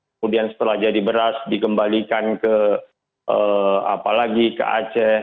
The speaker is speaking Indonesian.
kemudian setelah jadi beras dikembalikan ke apalagi ke aceh